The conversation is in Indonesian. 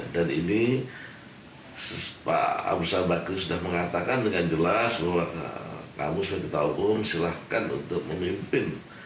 dan ini pak abu rizal bakri sudah mengatakan dengan jelas bahwa kamu sebagai ketua umum silahkan untuk memimpin